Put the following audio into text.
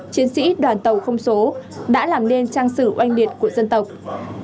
chiến sĩ đoàn tàu không số đã làm nên trang sử oanh liệt của dân tộc